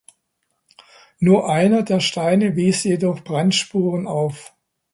Nur einer der Steine wies jedoch Brandspuren auf.